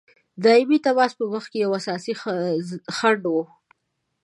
دایمي تماس په مخکي یو اساسي خنډ وو.